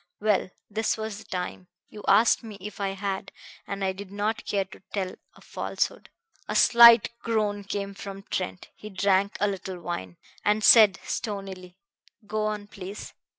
Well, this was the time. You asked me if I had, and I did not care to tell a falsehood." A slight groan came from Trent. He drank a little wine, and said stonily: "Go on, please."